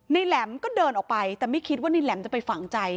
แหลมก็เดินออกไปแต่ไม่คิดว่าในแหลมจะไปฝังใจ